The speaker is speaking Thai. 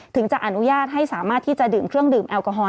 ถึงจะอนุญาตให้สามารถที่จะดื่มเครื่องดื่มแอลกอฮอล